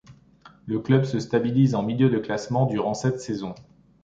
Le club se stabilise en milieu de classement durant sept saisons.